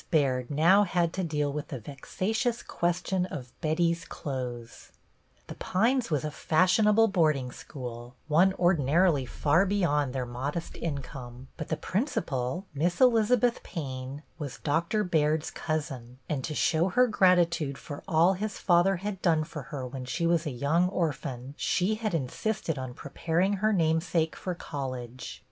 BAIRD now liacl to deal with able boarding school, one ordinarily far be yond their modest income ; but the principal, Miss Elizabeth Payne, was Doctor Baird's cousin, and to show her gratitude for all his father had done for her when she was a young orphan, she had insisted on preparing her namesake for college.